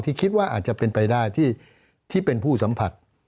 คิดว่าอาจจะเป็นไปได้ที่เป็นผู้สัมผัส